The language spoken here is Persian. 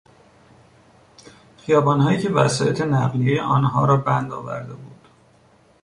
خیابانهایی که وسایط نقلیه آنها را بند آورده بود.